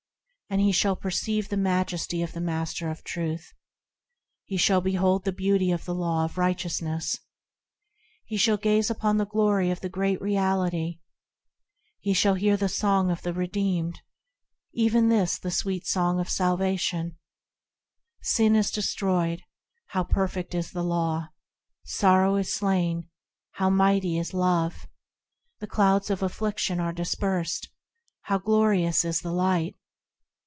And he shall perceive the majesty of the Master of Truth ; He shall behold the beauty of the Law of Righteousness ; He shall gaze upon the glory of the Great Reality; He shall hear the song of the redeemed, Even this the sweet song of salvation :– Sin is destroyed, How perfect is the Law ! Sorrow is slain, How mighty is Love ! The clouds of affliction are dispersed, How glorious is the Light